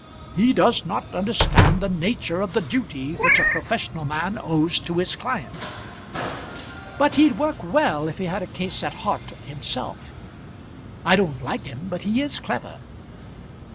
He does not understand the nature of the duty which a professional man owes to his client." "But he'd work well if he had a case at heart himself. I don't like him, but he is clever."